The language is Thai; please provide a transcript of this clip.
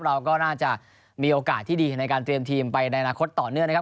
เราก็น่าจะมีโอกาสที่ดีในการเตรียมทีมไปในอนาคตต่อเนื่องนะครับ